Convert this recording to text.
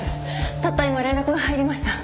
たった今連絡が入りました！